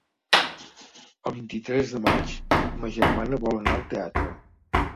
El vint-i-tres de maig ma germana vol anar al teatre.